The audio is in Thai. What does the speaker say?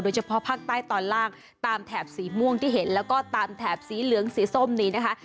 เฉพาะภาคใต้ตอนล่างตามแถบสีม่วงที่เห็นแล้วก็ตามแถบสีเหลืองสีส้มนี้นะคะ